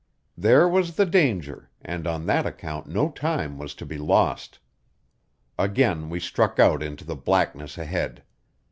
There was the danger, and on that account no time was to be lost. Again we struck out into the blackness ahead.